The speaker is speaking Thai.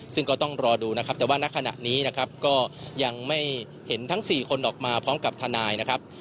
ซึ่งก็ต้องรอดูนะครับแต่ว่าณขณะนี้นะครับก็ยังไม่เห็นทั้ง๔คนออกมาพร้อมกับทนายนะครับ